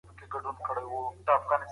غيبت کوونکی به په آخرت کي خجالته وي.